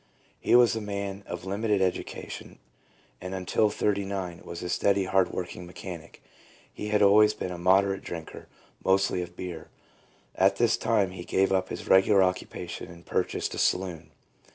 He was a man of limited education, and until thirty nine was a steady, hard working mechanic. He had always been a moderate drinker, mostly of beer. At this time he gave up his regular occupation and purchased a saloon.